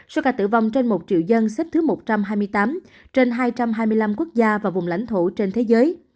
số ca tử vong trên một triệu dân xếp thứ một trăm hai mươi tám trên hai trăm hai mươi năm quốc gia và vùng lãnh thổ trên thế giới